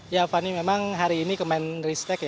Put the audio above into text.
ya fani memang hari ini kementerian riset teknologi